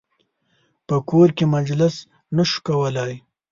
په کور کې مجلس نه شو کولای.